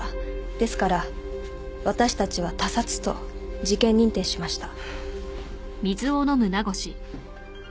ですから私たちは他殺と事件認定しました。